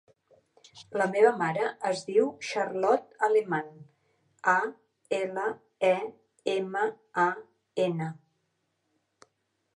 La meva mare es diu Charlotte Aleman: a, ela, e, ema, a, ena.